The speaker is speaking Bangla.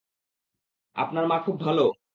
আপনার মা খুব ভালো?